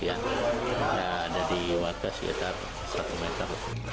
ada di warga sekitar satu ratus dua puluh